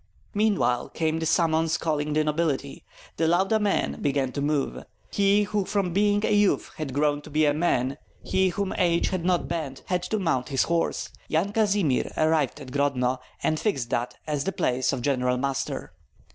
Meanwhile came the summons calling the nobility. The Lauda men began to move. He who from being a youth had grown to be a man, he whom age had not bent, had to mount his horse. Yan Kazimir arrived at Grodno, and fixed that as the place of general muster.